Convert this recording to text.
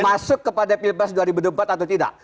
masuk kepada pilpres dua ribu dua puluh empat atau tidak